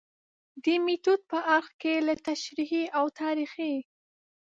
د میتود په اړخ کې له تشریحي او تاریخي